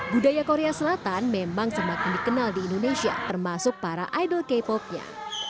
budaya korea selatan memang semakin dikenal di indonesia termasuk para idol k popnya